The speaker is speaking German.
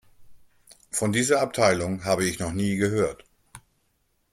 Von dieser Abteilung habe ich noch nie gehört.